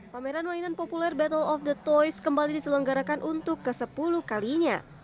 pameran mainan populer battle of the toys kembali diselenggarakan untuk ke sepuluh kalinya